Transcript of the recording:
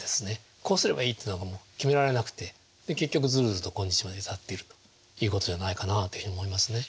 こうすればいいっていうのも決められなくて結局ずるずると今日まで至ってるということじゃないかなというふうに思いますね。